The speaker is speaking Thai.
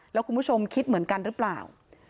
แล้วคุณผู้ชมคิดเหมือนกันหรือเปล่า